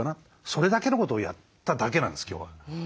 それだけのことをやっただけなんです今日は。